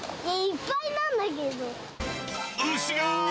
いっぱいなんだけど。